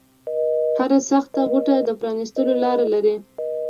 هره سخته غوټه د پرانیستلو لاره لري